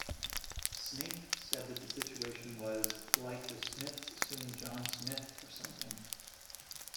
Snaith said that the situation was "like The Smiths suing John Smith or something".